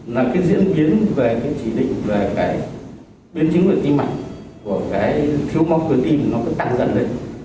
là cái diễn biến về cái chỉ định về cái biến chứng về tim mạch của cái thiếu mong cưới tim nó cứ tăng dần lên